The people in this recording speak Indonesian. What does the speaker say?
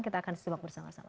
kita akan simak bersama sama